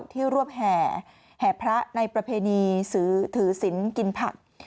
รวบแห่แห่พระในประเพณีถือศิลป์กินผัก